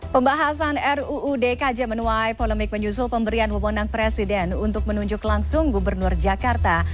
pembahasan ruu dkj menuai polemik menyusul pemberian wawonan presiden untuk menunjuk langsung gubernur jakarta